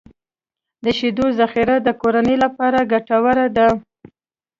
د شیدو ذخیره د کورنیو لپاره ګټوره ده.